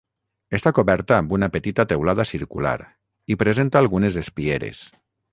Està coberta amb una petita teulada circular i presenta algunes espieres.